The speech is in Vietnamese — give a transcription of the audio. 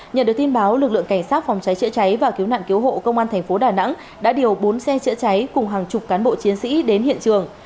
nhờ được tin báo lực lượng cảnh sát phòng cháy trợ cháy và cứu nạn cứu hộ công an tp đà nẵng đã điều bốn xe trợ cháy cùng hàng chục cán bộ chiến sĩ đến hiện trường